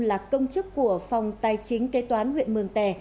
là công chức của phòng tài chính kế toán huyện mường tè